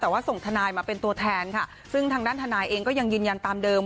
แต่ว่าส่งทนายมาเป็นตัวแทนค่ะซึ่งทางด้านทนายเองก็ยังยืนยันตามเดิม